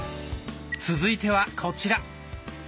続いてはこちら。